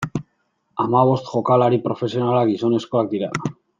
Hamabost jokalari profesionalak gizonezkoak dira.